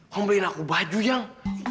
hah mau beliin aku baju yang